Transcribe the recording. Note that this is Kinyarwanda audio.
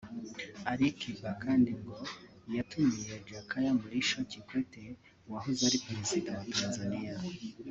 Ali Kiba kandi ngo yatumiye Jakaya Mrisho Kikwete wahoze ari Perezida wa Tanzania